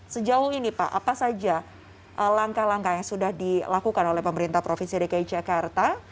sejauh ini pak apa saja langkah langkah yang sudah dilakukan oleh pemerintah provinsi dki jakarta